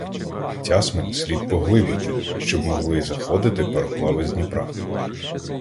Тясмин слід поглибити, щоб могли заходити пароплави з Дніпра.